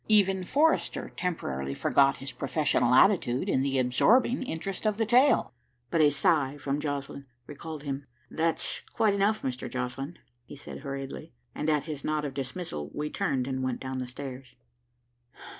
Even Forrester temporarily forgot his professional attitude in the absorbing interest of the tale. But a sigh from Joslinn recalled him. "That's quite enough, Mr. Joslinn," he said hurriedly, and, at his nod of dismissal, we turned and went down the stairs.